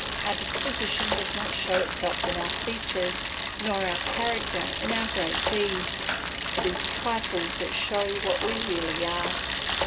Our disposition does not show itself in our features, nor our character in our great deeds; it is trifles that show what we really are.